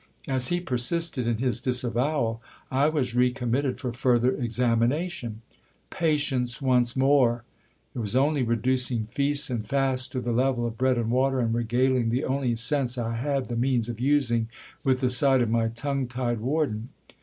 As he persisted in his disavowal, I was recommitted for further examination. Patience once more ! It was only reducing feasts and fasts to the level of bread and water, and regaling the only sense I had the means of using with the sight of my tongue tied warden.